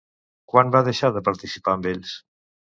Quan va deixar de participar amb ells?